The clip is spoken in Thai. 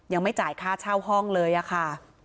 ยังไม่จ่ายค่าเช่าห้องเลยอะค่ะ